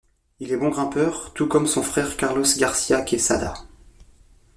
Il est bon grimpeur tout comme son frère Carlos García Quesada.